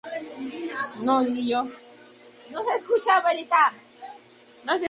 La línea verde actualmente tiene servicios que conectan a Old Town y Santee.